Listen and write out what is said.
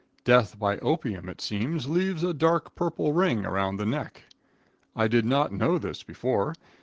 Death by opium, it seems, leaves a dark purple ring around the neck. I did not know this before.